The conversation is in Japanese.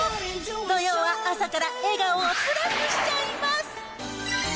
土曜は朝から笑顔をプラスしちゃいます。